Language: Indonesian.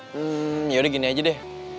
hmm ya udah gini aja deh